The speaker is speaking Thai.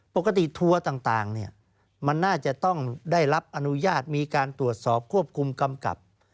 ทัวร์ต่างมันน่าจะต้องได้รับอนุญาตมีการตรวจสอบควบคุมกำกับ